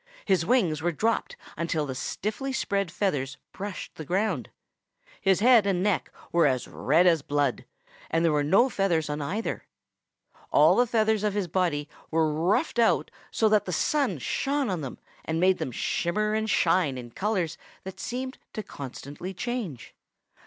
His wings were dropped until the stiffly spread feathers brushed the ground. His head and neck were as red as blood, and there were no feathers on either. All the feathers of his body were ruffed out so that the sun shone on them and made them shimmer and shine in colors that seemed to constantly change.